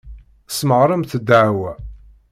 Tesmeɣremt ddeɛwa.